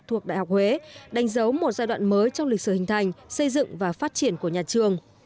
thuộc đại học huế đánh dấu một giai đoạn mới trong lịch sử hình thành xây dựng và phát triển của nhà trường